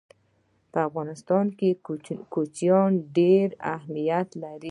په افغانستان کې کوچیان ډېر اهمیت لري.